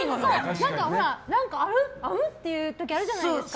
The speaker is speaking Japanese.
なんかあれ？っていう時あるじゃないですか。